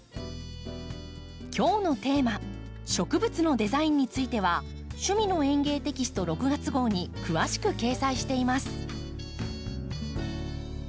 今日のテーマ「植物のデザイン」については「趣味の園芸」テキスト６月号に詳しく掲載しています。